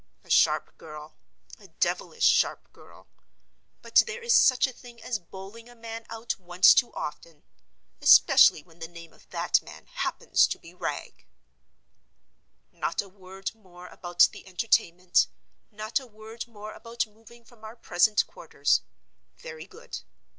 A sharp girl—a devilish sharp girl. But there is such a thing as bowling a man out once too often; especially when the name of that man happens to be Wragge. Not a word more about the Entertainment; not a word more about moving from our present quarters. Very good.